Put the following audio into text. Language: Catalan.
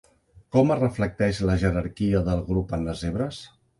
Com es reflecteix la jerarquia del grup en les zebres?